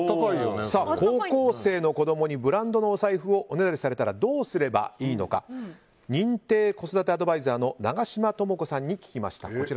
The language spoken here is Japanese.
高校生の子供にブランドのお財布をおねだりされたらどうすればいいのか認定子育てアドバイザーの長島ともこさんに聞きました。